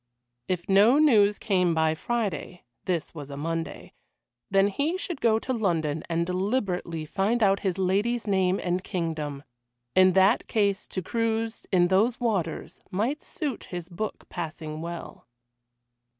If no news came by Friday this was a Monday then he should go to London and deliberately find out his lady's name and kingdom. In that case to cruise in those waters might suit his book passing well.